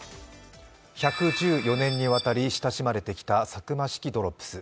１１４年にわたり親しまれてきたサクマ式ドロップス。